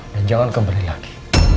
dan jangan kembali lagi